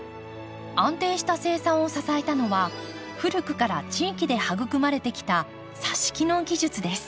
安定した生産を支えたのは古くから地域で育まれてきたさし木の技術です。